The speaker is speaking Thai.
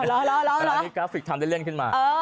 แล้วนี่กราฟิกทำได้เร่งขึ้นมา